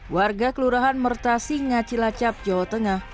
warga kelurahan merta singa cilacap jawa tengah